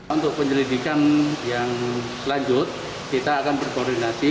untuk penyelidikan yang selanjutnya kita akan berkoordinasi